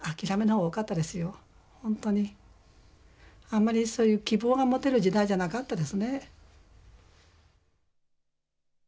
あんまりそういう希望が持てる時代じゃなかったですね。